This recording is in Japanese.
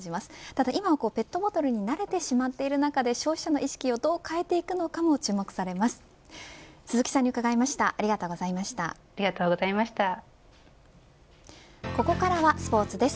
ただ今はペットボトルに慣れてしまっている中で消費者の意識をどう変えていくのか注目されます。